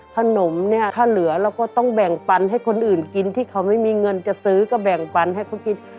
ขนมเนี่ยถ้าเหลือเราก็ต้องแบ่งปันให้คนอื่นกินที่เขาไม่มีเงินจะซื้อก็แบ่งปันให้เขากิน